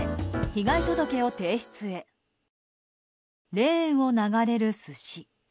レーンを流れる寿司。